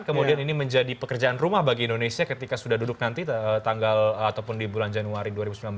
kemudian ini menjadi pekerjaan rumah bagi indonesia ketika sudah duduk nanti tanggal ataupun di bulan januari dua ribu sembilan belas